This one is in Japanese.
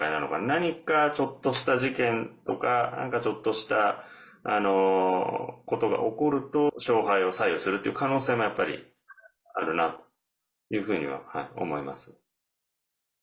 何か、ちょっとした事件とか何かちょっとしたことが起こると勝敗を左右するという可能性もやっぱりあるなというふうには思います。